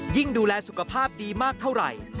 ดูแลสุขภาพดีมากเท่าไหร่